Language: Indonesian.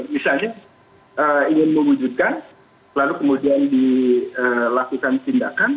misalnya ingin mewujudkan lalu kemudian dilakukan tindakan